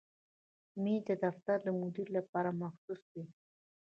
مېز د دفتر د مدیر لپاره مخصوص وي.